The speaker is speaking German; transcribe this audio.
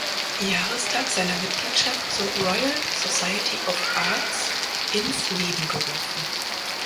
Jahrestag seiner Mitgliedschaft zur Royal Society of Arts ins Leben gerufen.